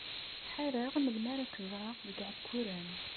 Ḥareɣ melmi ara k-ẓreɣ deg Iɛekkuren.